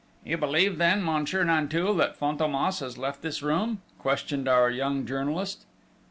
"You believe then, Monsieur Nanteuil, that Fantômas has left this room?" questioned our young journalist.